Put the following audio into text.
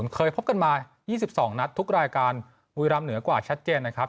เคยพบกันมา๒๒นัดทุกรายการบุรีรำเหนือกว่าชัดเจนนะครับ